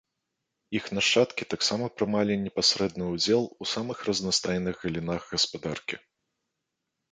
Іх нашчадкі таксама прымалі непасрэдны ўдзел у самых разнастайных галінах гаспадаркі.